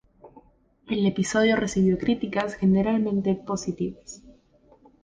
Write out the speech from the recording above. El episodio recibió críticas generalmente positivas.